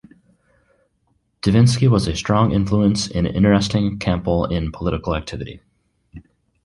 Divinsky was a strong influence in interesting Campbell in political activity.